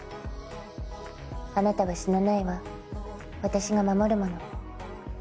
あなたは死なないわ、私が守るもの。